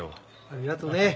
ありがとね。